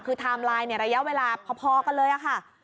คือไทม์ไลน์ในระยะเวลาพอกันเลยค่ะ